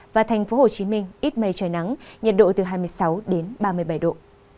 và thành phố hồ chí minh ít mây trời nắng nhiệt độ từ hai mươi sáu ba mươi bảy độ